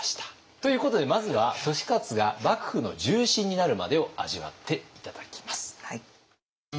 ということでまずは利勝が幕府の重臣になるまでを味わって頂きます。